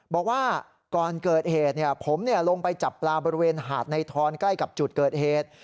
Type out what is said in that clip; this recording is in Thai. บอกว่าก่อนเกิดเหตุผมลงไปจับปลาบริเวณหาดในทอนใกล้กับจุดเกิดเหตุ